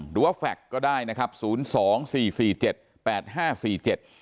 แฟคก็ได้นะครับศูนย์สองสี่สี่เจ็ดแปดห้าสี่เจ็ด